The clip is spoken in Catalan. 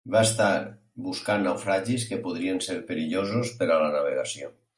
Va estar buscant naufragis que podrien ser perillosos per a la navegació.